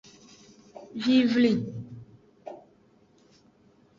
Vivli.